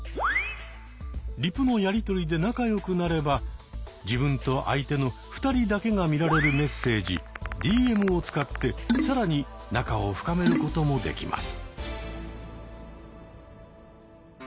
リプのやりとりで仲良くなれば自分と相手の２人だけが見られるメッセージ「ＤＭ」を使って更に仲を深めることもできます。